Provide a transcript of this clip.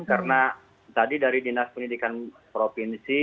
karena tadi dari dinas pendidikan provinsi